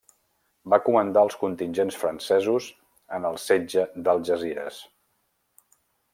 Va comandar els contingents francesos en el setge d'Algesires.